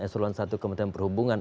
eselon i kementerian perhubungan